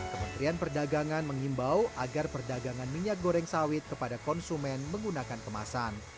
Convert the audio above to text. kementerian perdagangan mengimbau agar perdagangan minyak goreng sawit kepada konsumen menggunakan kemasan